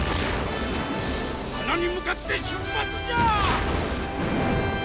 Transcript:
鼻に向かって出発じゃ！